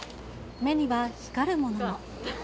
目には光るものが。